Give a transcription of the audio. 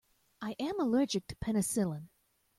I am allergic to penicillin.